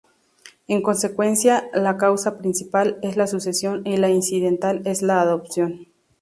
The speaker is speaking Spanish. En consecuencia, la causa principal es la sucesión y la incidental es la adopción.